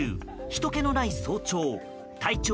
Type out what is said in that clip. ひとけのない早朝体長